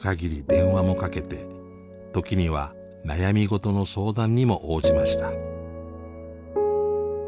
電話もかけて時には悩み事の相談にも応じました。